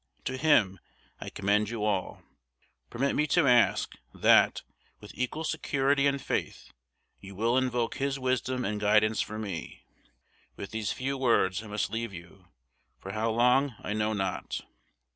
To him I commend you all. Permit me to ask, that, with equal security and faith, you will invoke his wisdom and guidance for me. With these few words I must leave you: for how long I know not.